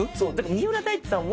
三浦大知さんを。